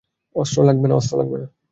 অস্ত্র লাগবে না।